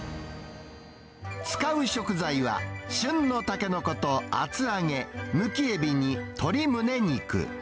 使う食材は、旬のタケノコと厚揚げ、むきエビに鶏むね肉。